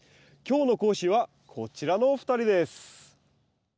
今日の講師はこちらのお二人です。